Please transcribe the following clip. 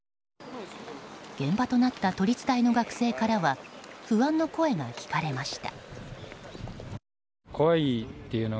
現場となった都立大の学生からは不安の声が聞かれました。